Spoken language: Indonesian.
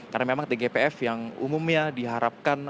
karena memang tgpf yang umumnya diharapkan